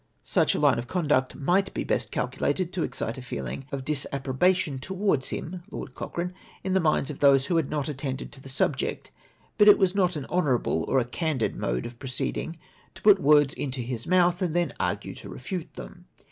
Such a line of conduct might be best calculated to excite a feeling of disapprobation towards him (Lord Coch rane) in the minds of those who had not attended to the subject, but it was not an honourable or a candid mode of pro ceeding to put vjords into his mouth and tJten argue to refute them.